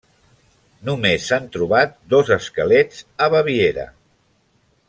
Només s'han trobat dos esquelets, a Baviera.